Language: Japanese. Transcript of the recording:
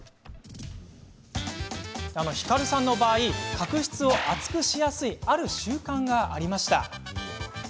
ひかるさんの場合は角質を厚くしやすいある習慣がありました。